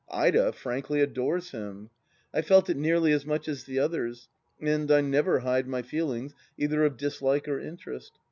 Ida frankly adores him. I felt it nearly as much as the others, and I never hide my feelings, either of dislike or interest.